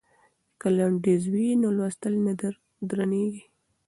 که لنډیز وي نو لوستل نه درندیږي.